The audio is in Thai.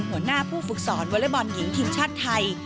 หัวหน้าผู้ฝึกสอนวอเล็กบอลหญิงทีมชาติไทย